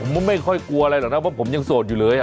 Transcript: ไม่ค่อยกลัวอะไรหรอกนะเพราะผมยังโสดอยู่เลย